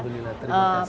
alhamdulillah terima kasih